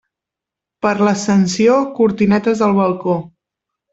Per l'Ascensió, cortinetes al balcó.